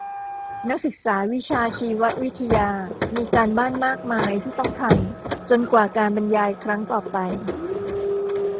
นักศึกษาวิชาชีววิทยามีการบ้านมากมายที่ต้องทำจนกว่าการบรรยายครั้งต่อไป